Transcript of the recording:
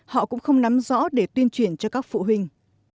họ cũng không nắm rõ để tuyên truyền cho các phụ huynh